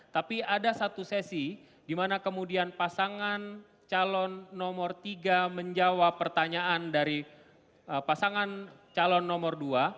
tapi ada satu sesi dimana kemudian pasangan calon nomor tiga menjawab pertanyaan dari pasangan calon nomor dua suaranya tak terdengar